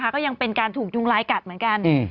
ก็ยังเป็นการถูกยุงลายกัดเหมือนกัน